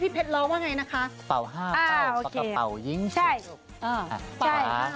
พี่เพชออกไหมฮะเอากันไกลใช่มั้ยคะ